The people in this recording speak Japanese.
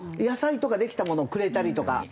野菜とかできたものをくれたりとか。